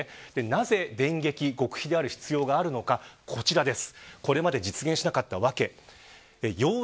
なぜ、電撃、極秘である必要があるのか、こちらです。